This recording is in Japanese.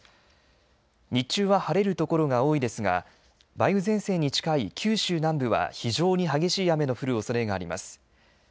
日中は晴れる所が多いですが梅雨前線に近い九州南部は非常に激しい雨の降るおそれがあります。